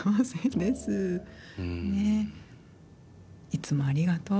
いつもありがとう。